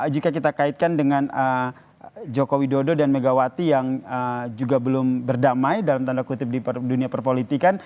jika kita kaitkan dengan joko widodo dan megawati yang juga belum berdamai dalam tanda kutip di dunia perpolitikan